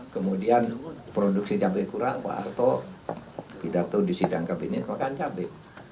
kemudian produksi cabai kurang pak harto pidato di sidang kabinet bahkan cabai